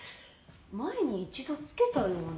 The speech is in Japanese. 前に一度つけたような。